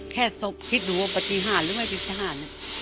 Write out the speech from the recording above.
ศพคิดดูว่าปฏิหารหรือไม่ปฏิหาร